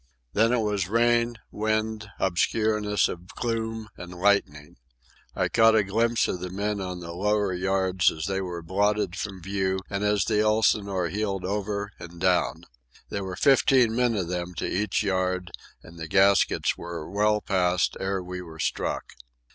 Then it was rain, wind, obscureness of gloom, and lightning. I caught a glimpse of the men on the lower yards as they were blotted from view and as the Elsinore heeled over and down. There were fifteen men of them to each yard, and the gaskets were well passed ere we were struck.